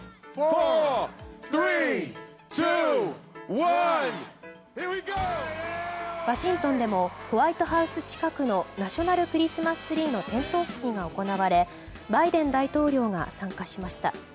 ワシントンでもホワイトハウス近くのナショナルクリスマスツリーの点灯式が行われバイデン大統領が参加しました。